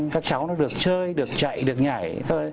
các cháu nó được chơi được chạy được nhảy